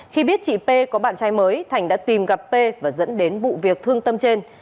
khi biết chị p có bạn trai mới thành đã tìm gặp p và dẫn đến vụ việc thương tâm trên